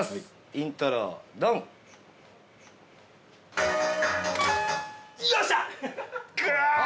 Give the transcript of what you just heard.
イントロ、ドン！◆よっしゃ！